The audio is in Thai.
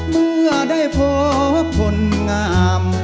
เมื่อได้พบผลงาม